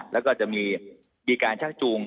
แล้วก็จะมีการชักจูง